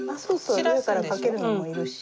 上からかけるのもいるし。